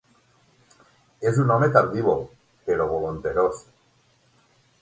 És un home tardívol però volenterós.